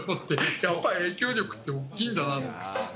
やっぱり影響力って大きいんだなって。